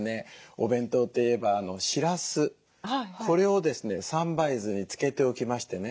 お弁当といえばしらすこれをですね３杯酢に漬けておきましてね